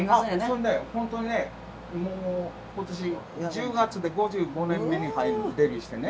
そんで本当にねもう今年１０月で５５年目に入るのデビューしてね。